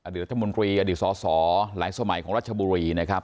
รัฐมนตรีอดีตสอสอหลายสมัยของรัชบุรีนะครับ